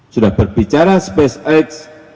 sudah berbicara spacex